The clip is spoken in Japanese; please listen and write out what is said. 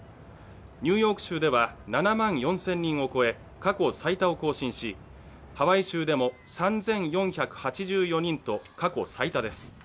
ニューヨーク州では７万４０００人を超え過去最多を更新し、ハワイ州でも３４８４人と、過去最多です。